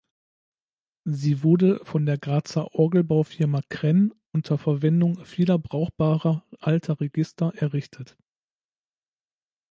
Sie wurde von der Grazer Orgelbaufirma Krenn unter Verwendung vieler brauchbarer alter Register errichtet.